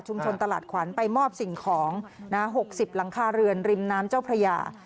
ชุมชนตลาดขวัญไปมอบสิ่งของนะฮะหกสิบหลังคาเรือนริมน้ำเจ้าพระยา